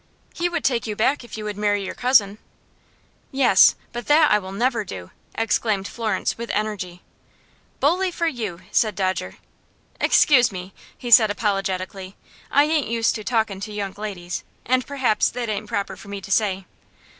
"He would take you back if you would marry your cousin." "Yes; but that I will never do!" exclaimed Florence, with energy. "Bully for you!" said Dodger. "Excuse me," he said, apologetically. "I ain't used to talkin' to young ladies, and perhaps that ain't proper for me to say."